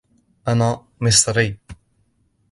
أنا مصري